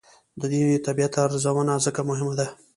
د دې طبیعت ارزونه ځکه مهمه ده.